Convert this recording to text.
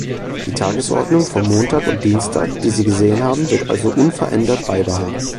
Die Tagesordnung vom Montag und Dienstag, die Sie gesehen haben, wird also unverändert beibehalten.